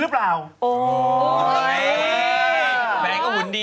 โอเค